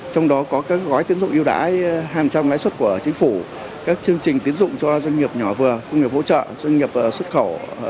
trong đó có các gói tiến dụng yêu đãi hàng trăm lãi suất của chính phủ các chương trình tiến dụng cho doanh nghiệp nhỏ vừa công nghiệp hỗ trợ doanh nghiệp xuất khẩu